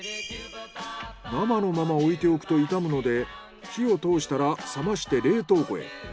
生のまま置いておくと傷むので火を通したら冷まして冷凍庫へ。